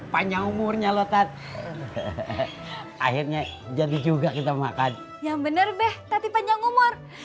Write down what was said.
panjang umurnya lot akhirnya jadi juga kita makan yang bener deh tapi panjang umur